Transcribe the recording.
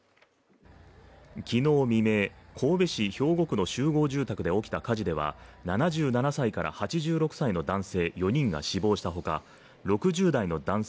昨日未明神戸市兵庫区の集合住宅で起きた火事では７７歳から８６歳の男性４人が死亡したほか６０代の男性